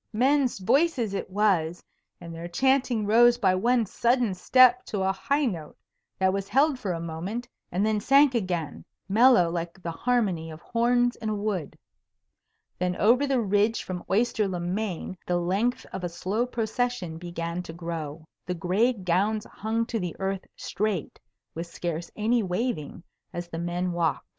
Men's voices it was, and their chanting rose by one sudden step to a high note that was held for a moment, and then sank again, mellow like the harmony of horns in a wood. Then over the ridge from Oyster le Main the length of a slow procession began to grow. The gray gowns hung to the earth straight with scarce any waving as the men walked.